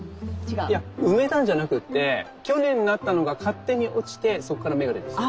いや埋めたんじゃなくて去年なったのが勝手に落ちてそっから芽が出てきた。